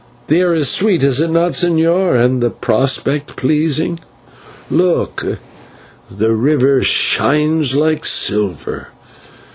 The air is sweet, is it not, señor, and the prospect pleasing? Look, the river shines like silver.